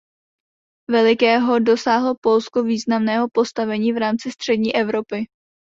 Velikého dosáhlo Polsko významného postavení v rámci střední Evropy.